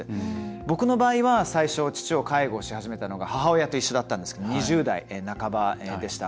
僕の場合は、最初父を介護し始めたのが母親と一緒だったんですけど２０代半ばでした。